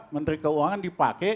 menteri keuangan dipakai